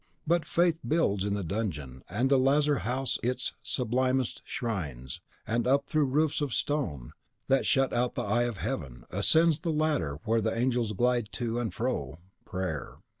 But Faith builds in the dungeon and the lazar house its sublimest shrines; and up, through roofs of stone, that shut out the eye of Heaven, ascends the ladder where the angels glide to and fro, PRAYER.